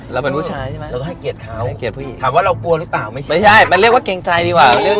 เราเป็นผู้ชายใช่มั้ยผมให้เกียรติเขาถามว่าเรากลัวรึเปล่าไม่ใช่คือไม่ใช่มันเรียกว่าเกรงใจดีกว่า